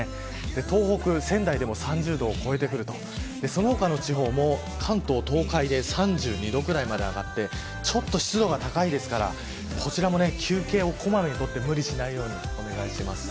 東北、仙台でも３０度を超えてくるその他の地方も、関東、東海で３２度くらいまで上がって湿度が高いですからこちらも休憩を小まめに取って無理しないようにお願いします。